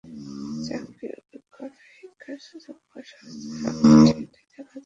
চাকুরির অভিজ্ঞতা, শিক্ষার সুযোগ বা স্বাস্থ্য, সব ক্ষেত্রেই এটি দেখা যেতে পারে।